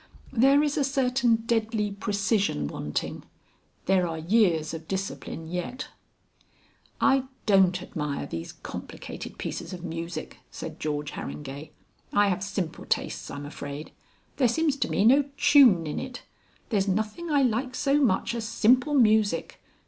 There is a certain deadly precision wanting. There are years of discipline yet." "I don't admire these complicated pieces of music," said George Harringay. "I have simple tastes, I'm afraid. There seems to me no tune in it. There's nothing I like so much as simple music.